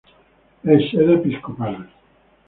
Es sede episcopal.